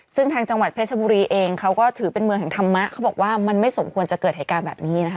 ซึ่งทางจังหวัดเพชรบุรีเองเขาก็ถือเป็นเมืองแห่งธรรมะเขาบอกว่ามันไม่สมควรจะเกิดเหตุการณ์แบบนี้นะคะ